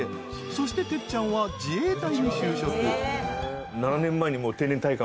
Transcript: ［そしててっちゃんは自衛隊に就職］